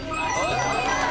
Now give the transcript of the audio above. お見事！